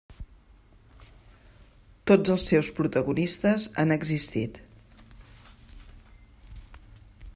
Tots els seus protagonistes han existit.